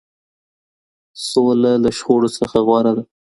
سوله له شخړو څخه غوره ده.